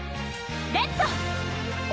レッド！